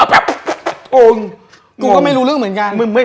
กูก็ไม่รู้เรื่องเหมือนกัน